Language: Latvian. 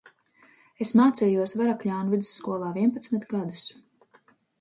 Es mācījos Varakļānu vidusskolā vienpadsmit gadus.